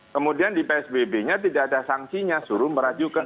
kemudian di psbb nya tidak ada sanksinya suruh meraju ke enam